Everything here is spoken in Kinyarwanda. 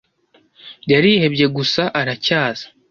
yarihebye gusa aracyaza